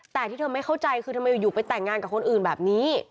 แต่ที่เธอไม่เข้าใจคือทำไมอยู่ไปแต่งงานกับคนอื่นแบบนี้